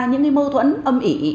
những mâu thuẫn âm ỉ